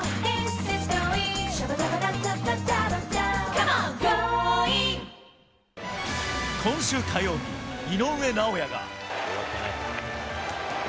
この後今週火曜日、井上尚弥が。